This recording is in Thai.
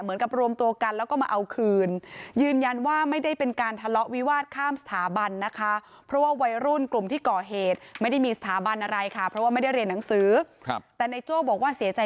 เหมือนกับรวมตัวกันแล้วก็มาเอาคืนยืนยันว่าไม่ได้เป็นการทะเลาะวิวาสข้ามสถาบันนะคะ